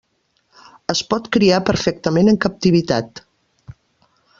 Es pot criar perfectament en captivitat.